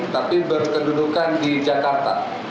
tapi berkedudukan di jakarta